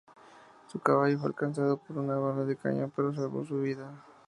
Su caballo fue alcanzado por una bala de cañón, pero salvó su vida.